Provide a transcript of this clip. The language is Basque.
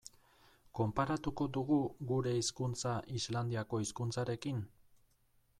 Konparatuko dugu gure hizkuntza Islandiako hizkuntzarekin?